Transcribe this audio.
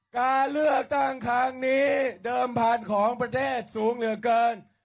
การเลือกตั้งครั้งนี้เดิมพันธุ์ของประเทศสูงเหลือเกิน